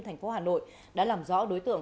thành phố hà nội đã làm rõ đối tượng